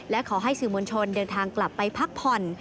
และขอให้สื่อมวลชนเดินทางกลับไปพักผ่อน